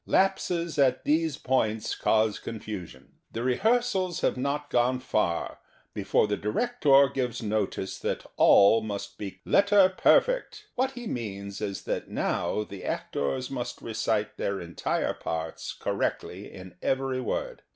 Lapses at these points cause confusion. The rehearsals have not gone far before the director gives notice that all must be " letter perfect." What he means is that now the actors must recite their entire parts correctly in every word.